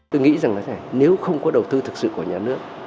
tôi nghĩ rằng là thế này nếu không có đầu tư thực sự của nhà nước